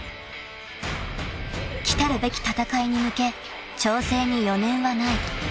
［来たるべき戦いに向け調整に余念はない］